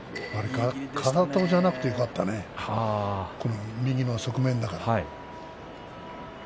かかとじゃなくてよかったね、右の側面だから。